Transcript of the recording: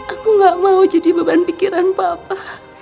aku gak mau jadi beban pikiran bapak